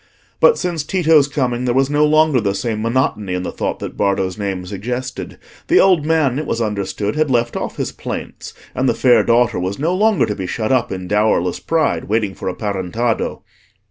But since Tito's coming, there was no longer the same monotony in the thought that Bardo's name suggested; the old man, it was understood, had left off his plaints, and the fair daughter was no longer to be shut up in dowerless pride, waiting for a parentado.